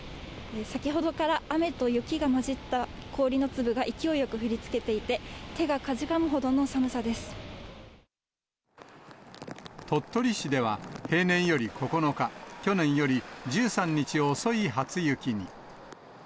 先ほどから雨と雪が交じった氷の粒が勢いよく降りつけていて、鳥取市では、平年より９日、去年より１３日遅い初雪に。